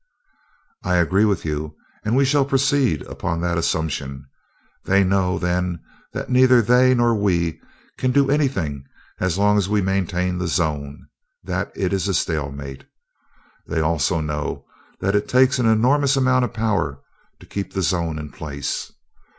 "I agree with you, and we shall proceed upon that assumption. They know, then, that neither they nor we can do anything as long as we maintain the zone that it is a stalemate. They also know that it takes an enormous amount of power to keep the zone in place.